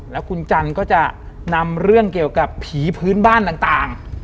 แล้วคุณจันทร์ก็จะนำเรื่องเกี่ยวกับผีพื้นบ้านต่าง